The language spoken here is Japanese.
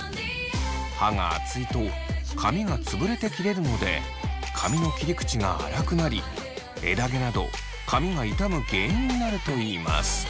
刃が厚いと髪が潰れて切れるので髪の切り口があらくなり枝毛など髪が傷む原因になるといいます。